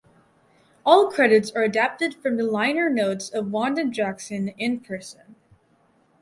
All credits are adapted from the liner notes of "Wanda Jackson in Person".